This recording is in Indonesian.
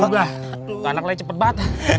ga tau ga